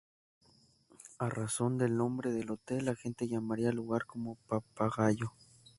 A razón del nombre del hotel, la gente llamaría al lugar como "Papagayo".